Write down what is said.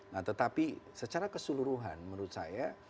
nah tetapi secara keseluruhan menurut saya